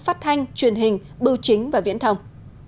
phát thanh truyền hình bưu chính và viễn thông